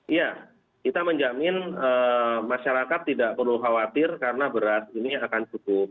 iya kita menjamin masyarakat tidak perlu khawatir karena beras ini akan cukup